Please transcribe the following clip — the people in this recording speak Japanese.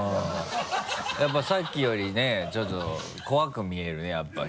やっぱさっきよりねちょっと怖く見えるねやっぱり。